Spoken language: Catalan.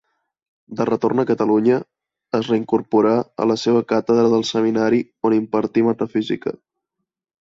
De retorn a Catalunya es reincorporà a la seva càtedra del Seminari, on impartí Metafísica.